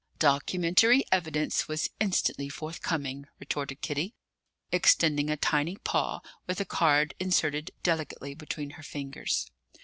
"'Documentary evidence was instantly forthcoming,'" retorted Kitty, extending a tiny paw with a card inserted delicately between her fingers.